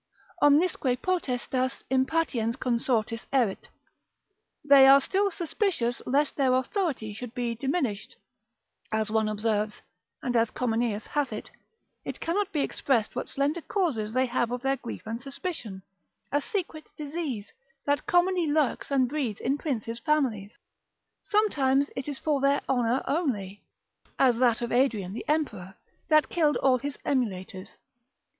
Omnisque potestas impatiens consortis erit: they are still suspicious, lest their authority should be diminished, as one observes; and as Comineus hath it, it cannot be expressed what slender causes they have of their grief and suspicion, a secret disease, that commonly lurks and breeds in princes' families. Sometimes it is for their honour only, as that of Adrian the emperor, that killed all his emulators.